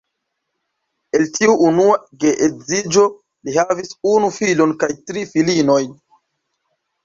El tiu unua geedziĝo li havis unu filon kaj tri filinojn.